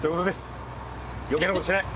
余計なことしない。